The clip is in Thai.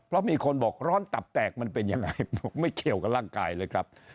เพราะมีคนบอกร้อนตับแตกมันเป็นยังไงบอกไม่เกี่ยวกับร่างกายเลยครับ